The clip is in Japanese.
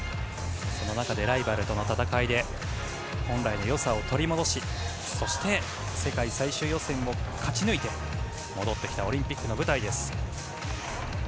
その中でライバルとの戦いで本来のよさを取り戻しそして世界最終予選を勝ち抜いて戻ってきたオリンピックの舞台。